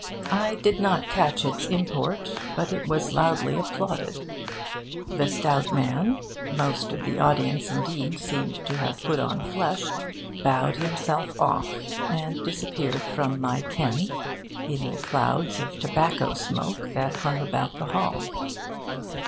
I did not catch its import; but it was loudly applauded. The stout man most of the audience indeed, seemed to have put on flesh bowed himself off, and disappeared from my ken in the clouds of tobacco smoke that hung about the hall.